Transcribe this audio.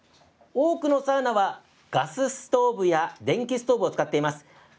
多くのサウナは、ガスストーブや電気ストーブを使っています。